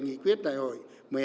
nghị quyết đại hội một mươi hai